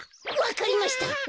わかりました！